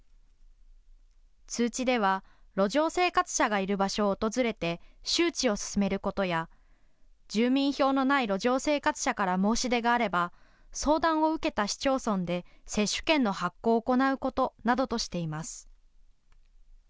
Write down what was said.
通知では路上生活者がいる場所を訪れて周知を進めることや住民票のない路上生活者から申し出があれば、相談を受けた市町村で接種券の発行を行うことなどとしています。